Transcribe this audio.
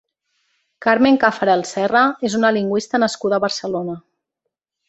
Carmen Caffarel Serra és una lingüista nascuda a Barcelona.